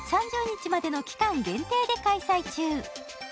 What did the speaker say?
３０日までの期間限定で開催中。